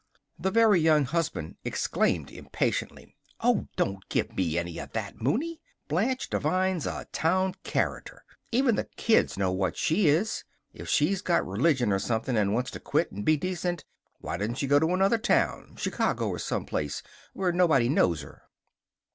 The Very Young Husband exclaimed impatiently: "Oh, don't give me any of that, Mooney! Blanche Devine's a town character. Even the kids know what she is. If she's got religion or something, and wants to quit and be decent, why doesn't she go to another town Chicago or someplace where nobody knows her?"